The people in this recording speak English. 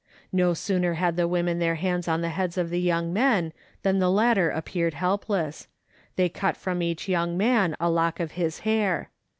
No sooner had the women their hands on the heads of the young men than the latter appeared helpless ; they cut from each young man a lock of his hair.